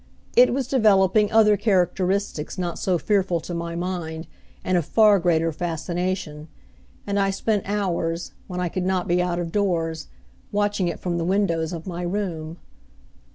It was developing other characteristics not so fearful to my mind and of far greater fascination; and I spent hours, when I could not be out of doors, watching it from the windows of my room.